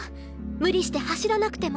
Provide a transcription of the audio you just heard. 無理して走らなくても。